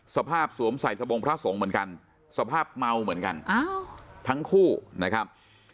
สวมใส่สบงพระสงฆ์เหมือนกันสภาพเมาเหมือนกันทั้งคู่นะครับ